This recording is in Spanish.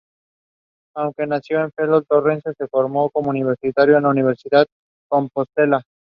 Aunque nació en Ferrol, Torrente se formó como universitario en la universidad compostelana.